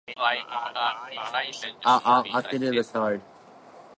Instead, Hillery was asked to become the sixth President of Ireland.